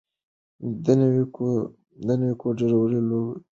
د نوي کور جوړول لوی لګښت لري.